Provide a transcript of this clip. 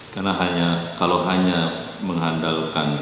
karena kalau hanya mengandalkan